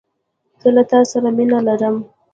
زه له تاسره مينه لرم